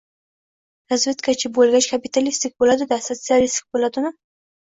— Razvedkachi bo‘lgach, kapitalistik bo‘ladi-da! Sotsialistik bo‘ladimi?